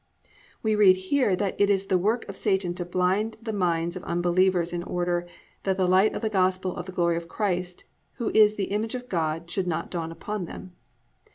"+ We read here that it is the work of Satan to blind the minds of unbelievers in order +"That the light of the gospel of the glory of Christ, who is the image of God, should not dawn upon them."